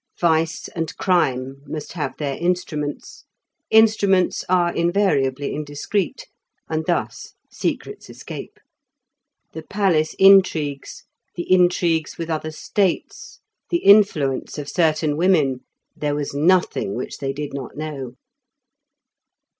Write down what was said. Vice and crime must have their instruments; instruments are invariably indiscreet, and thus secrets escape. The palace intrigues, the intrigues with other states, the influence of certain women, there was nothing which they did not know.